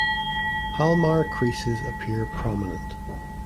Palmar creases appear prominent.